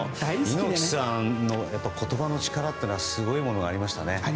猪木さんの言葉の力ってすごいものがありましたよね。